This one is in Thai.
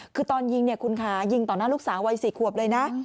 คือตอนยิงเนี่ยคุณค่ะยิงต่อหน้าลูกสาววัย๔ขวบเลยนะ